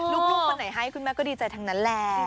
ลูกคนไหนให้คุณแม่ก็ดีใจทั้งนั้นแหละ